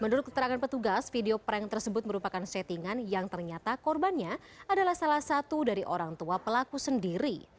menurut keterangan petugas video prank tersebut merupakan settingan yang ternyata korbannya adalah salah satu dari orang tua pelaku sendiri